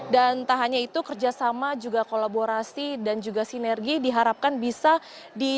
dan entah hanya itu kerjasama juga kolaborasi dan juga sinergi di hadapan bursa fm indonesia